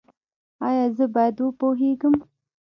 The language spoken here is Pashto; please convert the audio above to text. ایا زه باید وپوهیږم؟